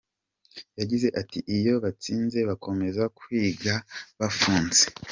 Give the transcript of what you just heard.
Yagize ati “Iyo batsinze bakomeza kwiga bafunze.